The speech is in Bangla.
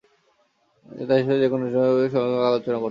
নেতা হিসেবে যে কোন সিদ্ধান্ত নেবার পূর্বে সহকর্মীদের সাথে আলোচনা করতেন।